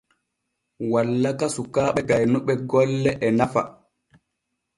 Wallaka suukaaɓe gaynuɓe golle e nafa.